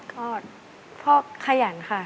ก็พ่อขยันค่ะ